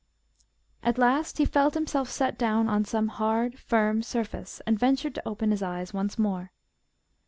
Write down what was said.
At last he felt himself set down on some hard, firm surface, and ventured to open his eyes once more.